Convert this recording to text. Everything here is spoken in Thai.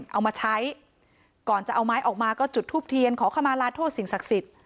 เอามาใช้ก่อนจะเอาไม้ออกมาก็จุดทูปเทียนขอขมาลาโทษสิ่งศักดิ์สิทธิ์